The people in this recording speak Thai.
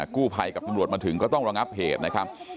กู้ภัยกับตำรวจมาถึงก็ต้องระงับเหตุนะครับ